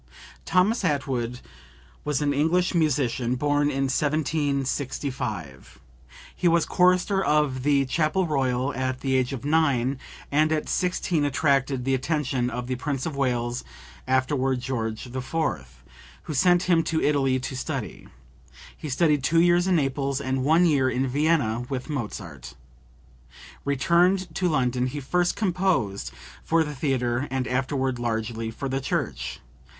[Thomas Attwood was an English musician, born in 1765. He was chorister of the Chapel Royal at the age of nine, and at sixteen attracted the attention of the Prince of Wales, afterward George IV., who sent him to Italy to study. He studied two years in Naples and one year in Vienna with Mozart. Returned to London he first composed for the theatre and afterward largely for the church.